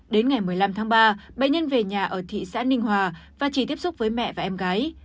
đến ngày một mươi năm tháng ba bệnh nhân về nhà ở thị xã ninh hòa và chỉ tiếp xúc với mẹ và em gái